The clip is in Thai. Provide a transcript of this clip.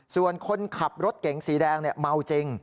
ส่วนคนขับรถเก๋งสีแดงเมาจริง